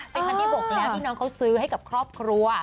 เป็นคันที่๖แล้วที่น้องเขาซื้อให้กับครอบครัว